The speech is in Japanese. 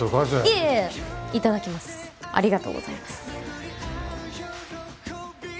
いえいえ頂きますありがとうございます。